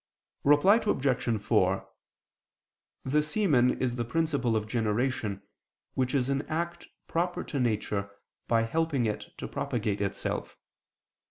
Reply Obj. 4: The semen is the principle of generation, which is an act proper to nature, by helping it to propagate itself.